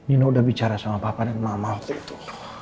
ini udah bicara sama papa dan mama waktu itu